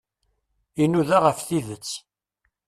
Inuda ɣef tidet.